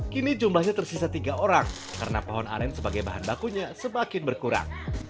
kini jumlahnya tersisa tiga orang karena pohon aren sebagai bahan bakunya semakin berkurang